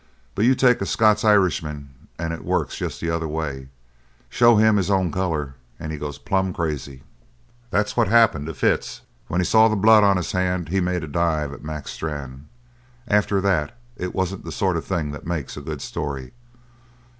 But you take a Scotch Irishman and it works just the other way. Show him his own colour and he goes plumb crazy. "That's what happened to Fitz. When he saw the blood on his hand he made a dive at Mac Strann. After that it wasn't the sort of thing that makes a good story.